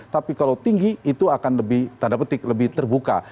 tapi kalau tinggi itu akan lebih terbuka